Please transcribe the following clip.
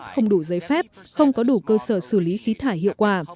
không đủ giấy phép không có đủ cơ sở xử lý khí thải hiệu quả